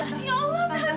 tante ya allah